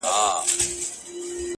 علم د وخت ارزښت ښيي!